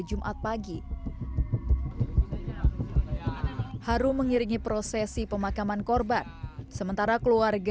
jumat pagi harum mengiringi prosesi pemakaman korban sementara keluarga